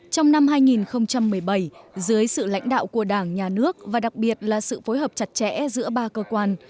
trong năm hai nghìn một mươi bảy dưới sự lãnh đạo của đảng nhà nước và đặc biệt là sự phối hợp chặt chẽ giữa ba cơ quan